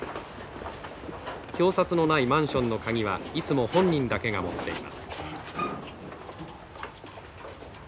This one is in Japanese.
表札のないマンションの鍵はいつも本人だけが持っています。